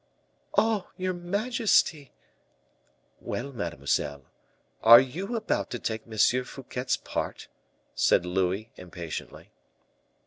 "Oh! your majesty " "Well, mademoiselle, are you about to take M. Fouquet's part?" said Louis, impatiently.